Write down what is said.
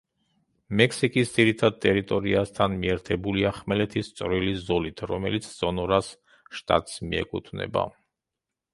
მექსიკის ძირითად ტერიტორიასთან მიერთებულია ხმელეთის წვრილი ზოლით, რომელიც სონორას შტატს მიეკუთვნება.